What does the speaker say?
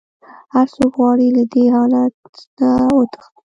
هر څوک غواړي له دې حالت نه وتښتي.